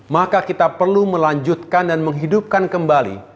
maka kita perlu melanjutkan dan menghidupkan kembali